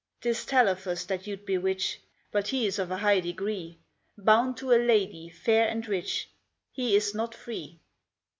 'Tis Telephus that you'd bewitch: But he is of a high degree; Bound to a lady fair and rich, He is not free.